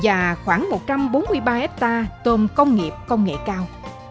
và khoảng một trăm bốn mươi ba hectare tôm công nghiệp công nghệ cao